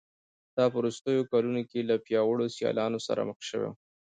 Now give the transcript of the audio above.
دا په وروستیو کلونو کې له پیاوړو سیالانو سره مخ شوی و